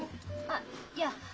あっいや。